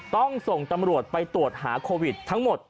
ต้องส่งตำรวจไปตรวจหาโควิดทั้งหมด